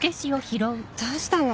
どうしたの？